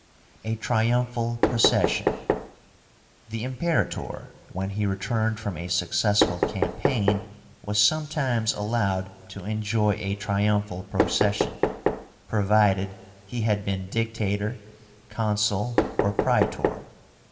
A TRIUMPHAL PROCESSION. The Imperator, when he returned from a successful campaign, was sometimes allowed to enjoy a triumphal procession, provided he had been Dictator, Consul, or Praetor.